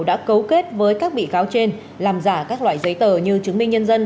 đã cấu kết với các bị cáo trên làm giả các loại giấy tờ như chứng minh nhân dân